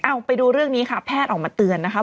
เอาไปดูเรื่องนี้ค่ะแพทย์ออกมาเตือนนะคะ